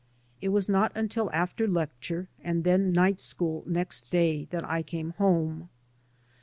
It was not until after lecture and then night school next day that I came home.